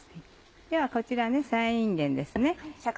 ではこちらさやいんげんですね。